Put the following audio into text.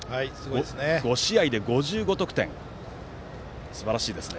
５試合で５５得点とすばらしいですね。